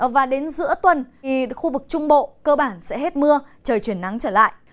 và đến giữa tuần khu vực trung bộ cơ bản sẽ hết mưa trời chuyển nắng trở lại